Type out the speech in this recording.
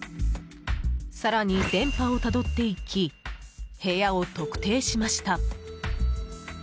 更に電波をたどっていき部屋を特定しました。